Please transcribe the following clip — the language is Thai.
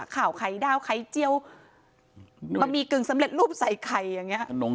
ไข่ดาวไข่เจียวบะหมี่กึ่งสำเร็จรูปใส่ไข่อย่างนี้